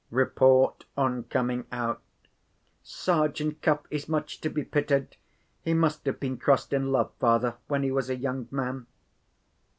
Report, on coming out: "Sergeant Cuff is much to be pitied. He must have been crossed in love, father, when he was a young man."